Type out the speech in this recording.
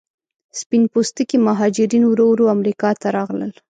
سپین پوستکي مهاجرین ورو ورو امریکا ته راغلل.